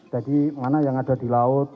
jadi mana yang ada di laut